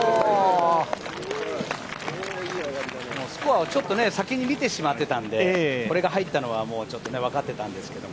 スコアをちょっと先に見てしまっていたのでこれが入ったのは分かっていたんですけど。